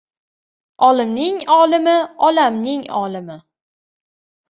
Olimning o‘limi – olamning o‘limi